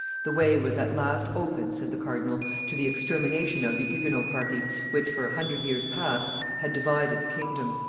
"The way was at last open," said the cardinal, "to the extermination of the Huguenot party, which, for a hundred years past, had divided the kingdom."